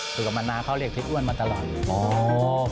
สื่อกับมณาเขาเรียกทิศอ้วนมาตลอด